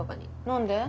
何で？